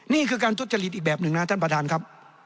นี่คือการทุจริตอีกแบบหนึ่งนะท่านประธานครับ